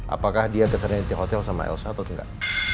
apakah dia kesan di hotel sama elso atau enggak